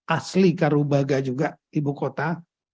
asli karubaga juga ibu kota